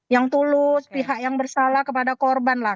yang tulus pihak yang bersalah kepada korban lah